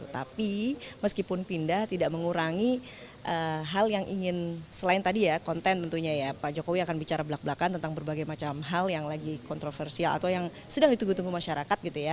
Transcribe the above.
tapi meskipun pindah tidak mengurangi hal yang ingin selain tadi ya konten tentunya ya pak jokowi akan bicara belak belakan tentang berbagai macam hal yang lagi kontroversial atau yang sedang ditunggu tunggu masyarakat gitu ya